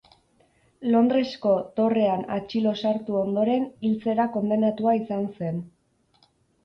Londresko dorrean atxilo sartu ondoren hiltzera kondenatua izan zen.